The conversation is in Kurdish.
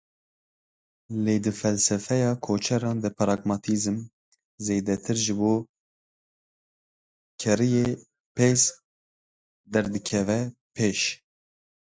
Lê di felsefeya koçeran de pragmatizm zêdetir ji bo keriyê pêz derdikeve pêş.